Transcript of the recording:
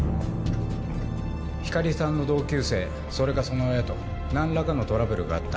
光莉さんの同級生それかその親と何らかのトラブルがあった？